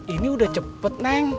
ini udah cepet neng